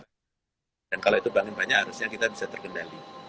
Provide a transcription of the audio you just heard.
dan kalau itu banyak banyak harusnya kita bisa terkendali